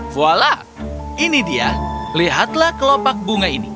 voala ini dia lihatlah kelopak bunga ini